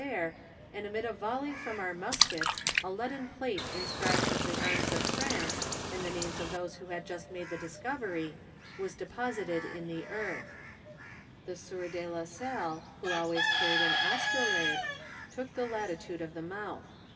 175 there, and amid a volley from all our muskets, a leaden plate inscribed with the arms of France, and the names of those who had just made the discovery, was deposited in the earth * The sieur de la Salle, who always carried an astrolabe, took the latitude of the mouth.